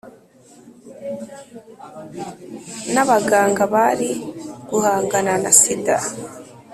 n’abaganga bari guhangana na sida